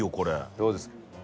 どうです？